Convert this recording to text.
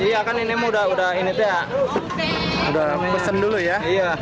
iya kan ini udah pesen dulu ya